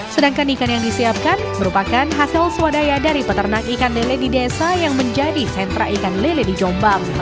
sedangkan ikan yang disiapkan merupakan hasil swadaya dari peternak ikan lele di desa yang menjadi sentra ikan lele di jombang